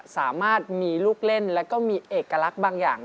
สามารถมีลูกเล่นแล้วก็มีเอกลักษณ์บางอย่าง